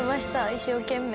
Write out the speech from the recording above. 一生懸命。